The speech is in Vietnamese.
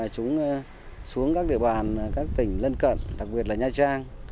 chúng xuống các địa bàn các tỉnh lân cận đặc biệt là nha trang